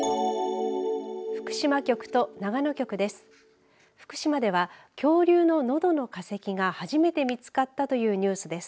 福島局と長野局です。